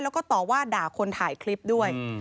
แล้วก็ต่อว่าด่าคนถ่ายคลิปด้วย